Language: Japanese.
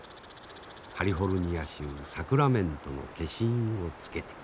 カリフォルニア州サクラメントの消印をつけて。